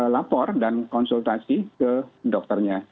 lapor dan konsultasi ke dokternya